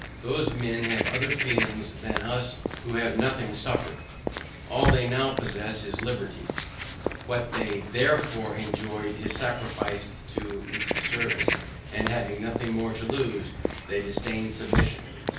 Those men have other feelings than us who have nothing suffered. All they NOW possess is liberty, what they before enjoyed is sacrificed to its service, and having nothing more to lose, they disdain submission.